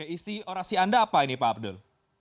isi orasi anda apa ini pak abdul